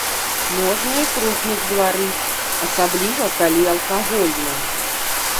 Можна і крупнік зварыць, асабліва, калі алкагольны.